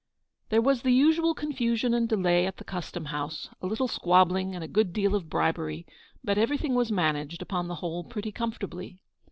There was the usual confusion and delay at the Custom house — a little squabbling and a good deal of bribery ; but everything was managed, upon the whole, pretty comfortably.